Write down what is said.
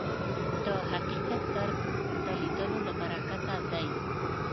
د حقیقت درک د لیدلو له برکته دی